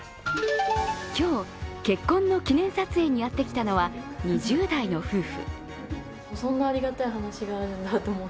今日、結婚の記念撮影にやってきたのは２０代の夫婦。